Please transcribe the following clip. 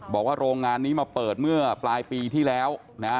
บอกว่าโรงงานนี้มาเปิดเมื่อปลายปีที่แล้วนะ